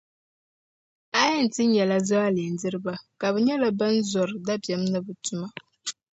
A yɛn ti nyɛla zualindiriba ka bɛ nyɛla ban zɔri dabiεm ni bɛ tuma.